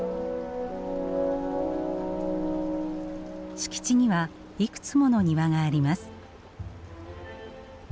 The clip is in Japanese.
敷地にはいくつもの庭があります。